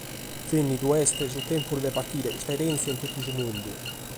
Bènnidu est su tempus de batire custa erèntzia in totu su mundu.